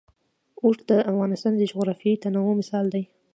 اوښ د افغانستان د جغرافیوي تنوع مثال دی.